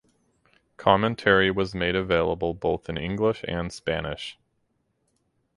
Commentary was made available both in English and Spanish.